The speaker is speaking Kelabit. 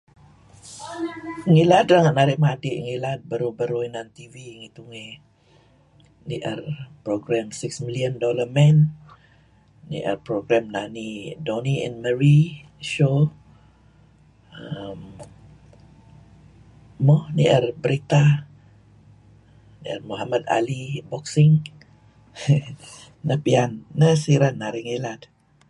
Ngilad renga' narih madi' ngilad renga' beruh-beruh inan tv ngi tungey, ni'er program Six Million Dollar Man, ni'er program nani Donny and Marie show err mo, ni'er berita. Ni'er Mohammad Ali boxing neh piyan, neh siren narih ngilad.